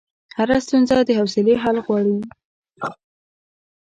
هره ستونزه د حوصلې حل غواړي.